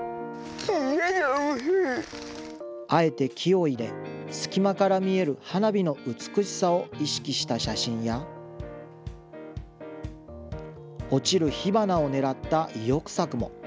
あえて木を入れ、隙間から見える花火の美しさを意識した写真や、落ちる火花を狙った意欲作も。